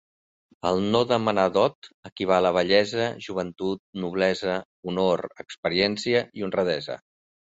El no demanar dot equival a bellesa, joventut, noblesa, honor, experiència i honradesa.